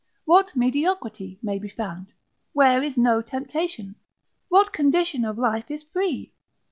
What mediocrity may be found? Where is no temptation? What condition of life is free?